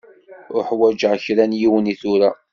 Uḥwaǧeɣ kra n yiwen i tura.